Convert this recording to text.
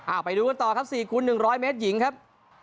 อ่าไปดูกันต่อครับสี่คุณหนึ่งร้อยเมตรหญิงครับ